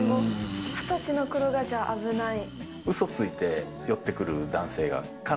二十歳のころがじゃあ危ない？